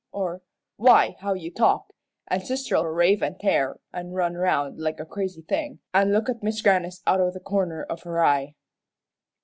or, 'Why, how you talk!' An' sister'll rave an' tear, an' run round like a crazy thing, an' look at Mis' Grannis out o' the corner of her eye."